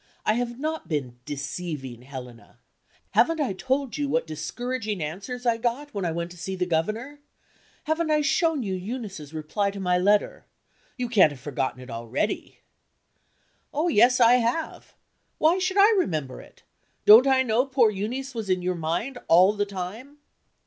I have not been deceiving Helena. Haven't I told you what discouraging answers I got, when I went to see the Governor? Haven't I shown you Eunice's reply to my letter? You can't have forgotten it already?" "Oh, yes, I have. Why should I remember it? Don't I know poor Euneece was in your mind, all the time?"